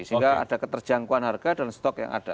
sehingga ada keterjangkauan harga dan stok yang ada